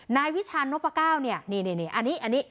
นายวิชาณนพก้าวเนี่ยนี่นี่นี่อันนี้อันนี้